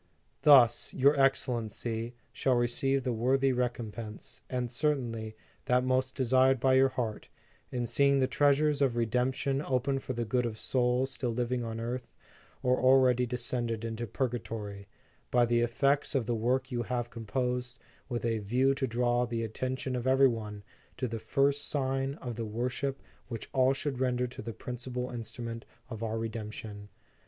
"Thus, your Excellency shall receive the worthy recompense, and certainly, that most desired by your heart, in seeing the treasures of Redemption opened for the good of souls still living on earth, or already descended into purgatory, by the effects of the work you have composed with a view to draw the atten tion of every one to the first sign of the wor ship which all should render to the principal instrument of our Redemption.